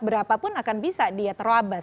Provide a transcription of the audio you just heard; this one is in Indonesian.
berapapun akan bisa dia terlambat